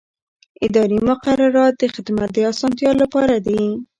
اداري مقررات د خدمت د اسانتیا لپاره دي.